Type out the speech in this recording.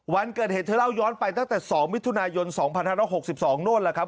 วันเกิดเหตุเธอเล่าย้อนไปตั้งแต่๒มิถุนายน๒๕๖๒โน่นแหละครับ